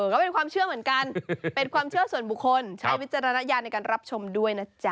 ก็เป็นความเชื่อเหมือนกันเป็นความเชื่อส่วนบุคคลใช้วิจารณญาณในการรับชมด้วยนะจ๊ะ